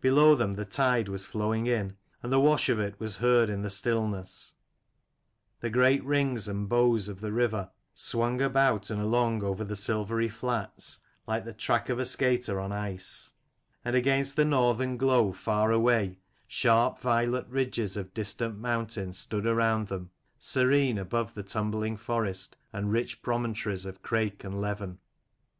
Below them the tide was flowing in, and the wash of it was heard in the stillness : the great rings and bows of the river in front swung about and along over the silvery flats, like the track of a skater on ice. 19 CHAPTER V. THE KINGS' MOTE. And against the northern glow far away, sharp violet ridges of distant mountain stood around them, serene, above the tumbling forest and rich promontories of Crake and Leven.